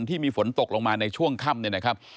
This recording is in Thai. ที่มีฝนตกลงมาในช่วงค่ำเนี่ยนะครับ